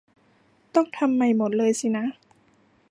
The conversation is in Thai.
ต้องทำใหม่หมดเลยสินะ